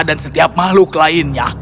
dan setiap makhluk lainnya